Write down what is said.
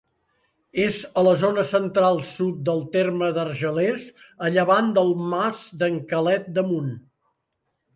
És a la zona central-sud del terme d'Argelers, a llevant del Mas d'en Quelet d'Amunt.